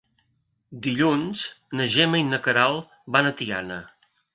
Dilluns na Gemma i na Queralt van a Tiana.